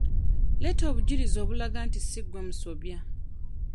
Leeta obujulizi obulaga nti si gwe musobya.